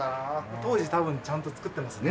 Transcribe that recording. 当時たぶんちゃんと造ってますね。